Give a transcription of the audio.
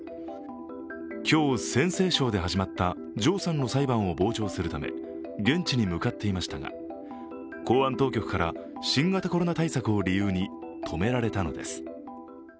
今日、陝西省で始まった常さんの裁判を傍聴するため現地に向かっていましたが、公安当局から、新型コロナ対策を理由に止められたのです。